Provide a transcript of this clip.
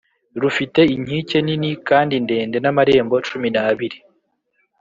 Rufite inkike nini kandi ndende n’amarembo cumi n’abiri